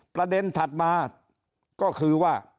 ๑ประเด็นถัดมาก็คือว่า